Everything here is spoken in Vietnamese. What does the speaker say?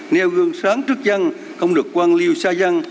nêu gương sáng trước dân không được quang lưu xa dân